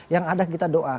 yang ada kita doa